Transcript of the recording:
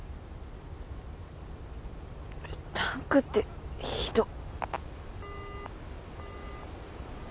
ランクってひどっ。